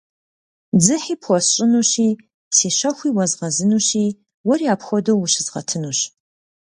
Дзыхьи пхуэсщӏынущи, си щэхуи уэзгъэзынущи, уэри апхуэдэу ущызгъэтынущ.